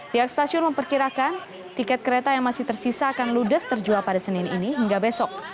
pihak stasiun memperkirakan tiket kereta yang masih tersisa akan ludes terjual pada senin ini hingga besok